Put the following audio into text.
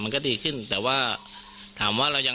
แม้นายเชิงชายผู้ตายบอกกับเราว่าเหตุการณ์ในครั้งนั้น